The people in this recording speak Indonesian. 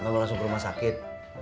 atau gue langsung ke rumah sakit